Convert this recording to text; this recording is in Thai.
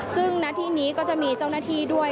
ซึ่งณที่นี้ก็จะมีเจ้าหน้าที่ด้วย